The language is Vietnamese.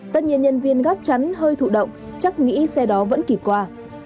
tất nhiên nhân viên gác chắn hơi thụ động chắc nghĩ xe đó vẫn kịp qua